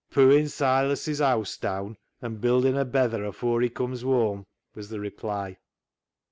" Pooin' Silas' haase daan, an' buildin' a betther afore he comes whoam," was the reply.